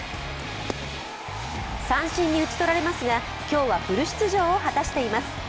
三振に打ち取られますが、今日はフル出場を果たしています。